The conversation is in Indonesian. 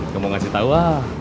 kamu ngasih tau lah